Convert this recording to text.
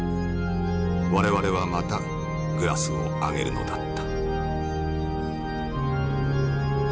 我々はまたグラスを上げるのだった」。